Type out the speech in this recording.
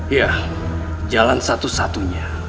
iya jalan satu satunya